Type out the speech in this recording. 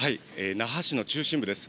那覇市の中心部です。